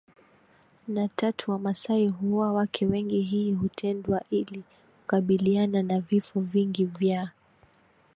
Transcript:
na tatu Wamasai huoa wake wengi hii hutendwa ili kukabiliana na vifo vingi vya